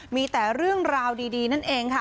มีแต่เรื่องราวดีนั่นเองค่ะ